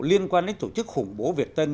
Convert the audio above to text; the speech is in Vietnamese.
liên quan đến tổ chức khủng bố việt tân